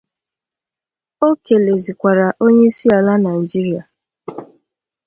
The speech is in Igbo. O kelezịkwara onyeisiala Nigeria